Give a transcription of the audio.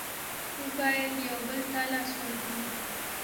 موږ بايد يو بل ته لاس ورکړو.